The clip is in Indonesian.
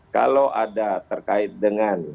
kalau ada terkait dengan